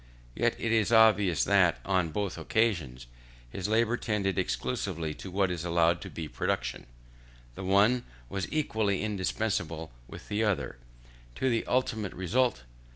Yet it is obvious that, on both occasions, his labour tended exclusively to what is allowed to be production: the one was equally indispensable with the other, to the ultimate result.